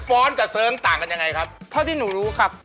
ฟ้อนกับเสริงต่างกันยังไงครับ